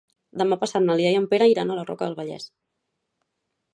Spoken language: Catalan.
Demà passat na Lia i en Pere iran a la Roca del Vallès.